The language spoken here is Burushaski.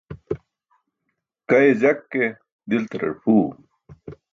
Kaye jak ke, diltarar pʰuu.